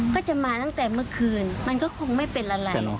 ก็จะมาตั้งแต่เมื่อคืนมันก็คงไม่เป็นอะไร